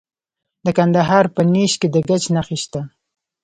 د کندهار په نیش کې د ګچ نښې شته.